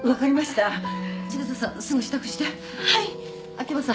秋山さん